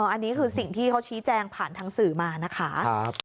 อันนี้คือสิ่งที่เขาชี้แจงผ่านทางสื่อมานะคะ